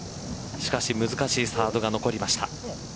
しかし難しいサードが残りました。